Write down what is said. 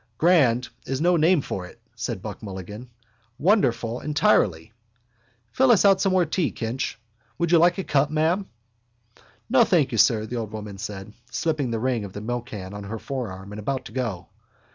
—Grand is no name for it, said Buck Mulligan. Wonderful entirely. Fill us out some more tea, Kinch. Would you like a cup, ma'am? —No, thank you, sir, the old woman said, slipping the ring of the milkcan on her forearm and about to go.